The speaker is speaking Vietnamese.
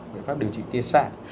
biện pháp điều trị tiết sạc